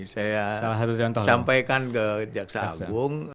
saya sampaikan ke jaksa agung